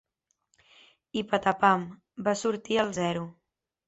I patapam, va sortir el zero.